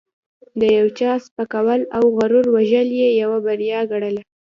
د یو چا سپکول او غرور وژل یې یوه بریا ګڼله.